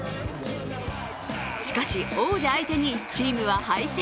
しかし、王者相手にチームは敗戦。